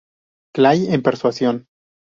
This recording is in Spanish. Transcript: Clay en "Persuasión".